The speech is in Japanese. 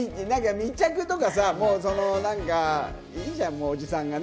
密着とかさ、いいじゃん、もう、おじさんがね